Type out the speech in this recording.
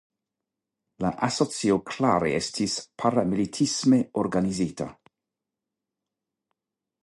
La asocio klare estis paramilitisme organizita.